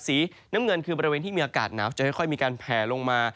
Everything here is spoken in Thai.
สีน้ำเงินคือบริเวณที่มีอากาศหนาวจะค่อยมีการแผลลงมา